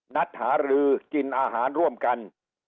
นัดหารือกินอาหารร่วมกัน